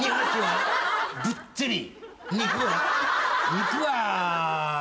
肉は。